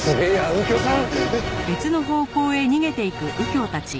右京さん！